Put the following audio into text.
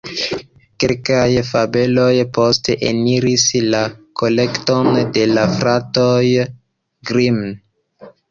Kelkaj fabeloj poste eniris la kolekton de la Fratoj Grimm.